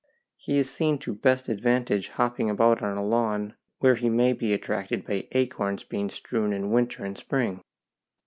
He is seen to best advantage hopping about on a lawn, where he may be attracted by acorns being strewn in winter and spring.